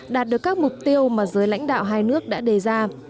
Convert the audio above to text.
đạt được các mục tiêu mà giới lãnh đạo hai nước đã đề ra